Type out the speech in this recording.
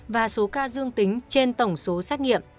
và số ca dương tính trên tổng số xét nghiệm